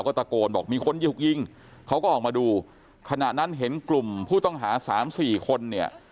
คนที่ถูกยิงเขาก็ออกมาดูขณะนั้นเห็นกลุ่มผู้ต้องหา๓๔คนเนี่ย